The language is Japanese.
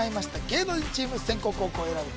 芸能人チーム先攻後攻選ぶ